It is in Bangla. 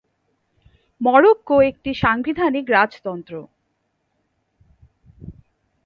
মরক্কো একটি সাংবিধানিক রাজতন্ত্র।